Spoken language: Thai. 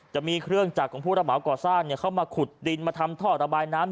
จะมีเครื่องจักรของผู้ระเหมาก่อสร้างเข้ามาขุดดินมาทำท่อระบายน้ำ